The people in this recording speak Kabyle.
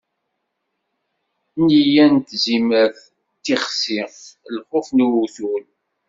Neyya n tzimert d tixsi, lxuf n uwtul.